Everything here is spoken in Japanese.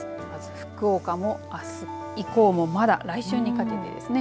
福岡もあす以降もまだ来週にかけてですね